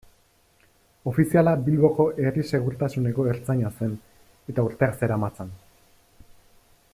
Ofiziala Bilboko herri-segurtasuneko ertzaina zen, eta urteak zeramatzan.